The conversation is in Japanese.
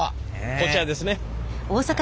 こちらですね。